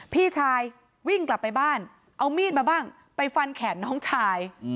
พี่ชายวิ่งกลับไปบ้านเอามีดมาบ้างไปฟันแขนน้องชาย